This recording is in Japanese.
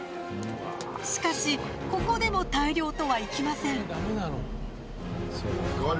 しかしここでも大漁とはいきません。